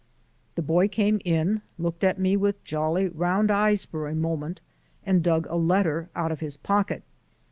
The boy came in, looked at me with jolly round eyes for a moment, and dug a letter out of his pocket.